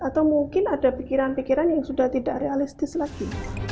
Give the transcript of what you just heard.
atau mungkin ada pikiran pikiran yang sudah tidak realistis lagi